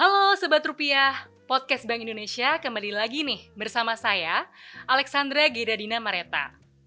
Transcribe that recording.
halo sebat rupiah podcast bank indonesia kembali lagi nih bersama saya alexandra gidadina mareta